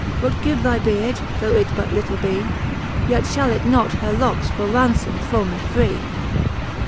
Wilt give thy beard, though it but little bee? Yet Ihall it not her lockes for raunlbme fro me free.